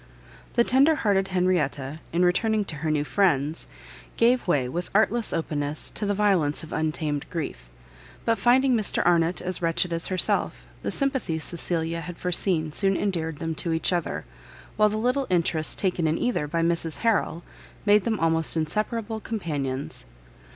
The tender hearted Henrietta, in returning to her new friends, gave way, with artless openness, to the violence of untamed grief; but finding Mr Arnott as wretched as herself, the sympathy Cecilia had foreseen soon endeared them to each other, while the little interest taken in either by Mrs Harrel, made them almost inseparable companions.